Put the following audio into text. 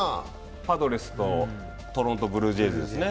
パドレスとトロント・ブルージェイズですね。